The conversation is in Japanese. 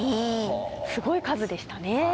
すごい数でしたね。